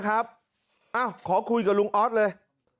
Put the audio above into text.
นะครับเอ้าขอคุยกับลุงออสเลย